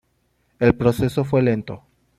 El proceso fue lento.